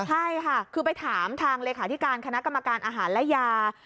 ใช่ค่ะคือไปถามทางเลขาธิการคณะกรรมการอาหารและยา